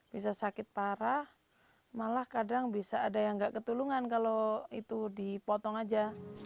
bisa sakit parah malah kadang bisa ada yang nggak ketulungan kalau itu dipotong aja